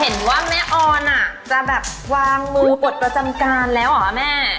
เห็นว่าแม่ออนจะแบบวางมือปลดประจำการแล้วเหรอแม่